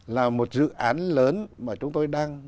là một dự án lớn mà chúng tôi đang